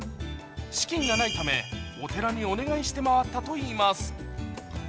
資金がないため、お寺にお願いして回ったといいます。